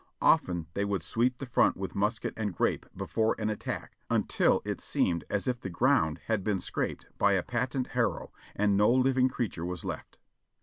Often they would sweep the front with musket and grape before an attack, until it seemed as if the ground had been scraped by a patent harrow and no living creature was left.